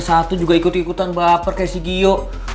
satu juga ikut ikutan baper kayak si giyo